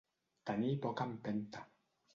Tenir poca empenta.